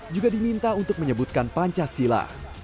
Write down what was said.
juga diminta untuk menyebutkan pancasila